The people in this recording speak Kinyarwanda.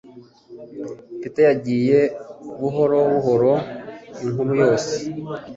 Peter yagiye buhoro buhoro inkuru yose.